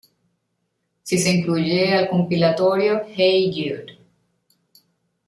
Si se incluye al compilatorio "Hey Jude".